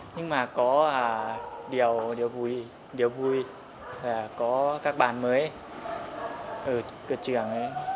nhưng mà có điều vui là có các bạn mới ở cửa trường ấy